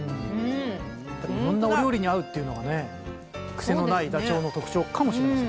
こんなお料理に合うっていうのはね癖のないダチョウの特徴かもしれませんよね。